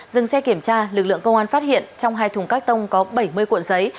dừng xe kiểm tra lực lượng công an phát hiện trong hai thùng các tông có bảy mươi cuộn giấy